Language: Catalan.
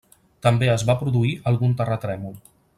També es va produir algun terratrèmol.